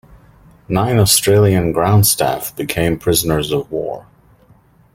Nine Australian ground staff became prisoners of war.